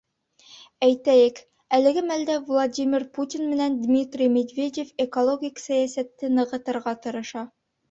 Әйтәйек, әлеге мәлдә Владимир Путин менән Дмитрий Медведев экологик сәйәсәтте нығытырға тырыша.